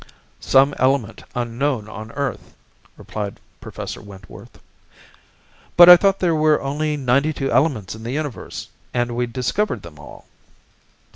"Some element unknown on earth," replied Professor Wentworth. "But I thought there were only ninety two elements in the universe and we'd discovered them all."